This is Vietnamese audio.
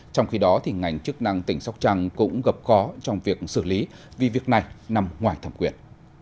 trong khi đó ngành chức năng tỉnh sóc trăng cũng gặp khó trong việc xử lý vì việc này nằm ngoài thẩm quyền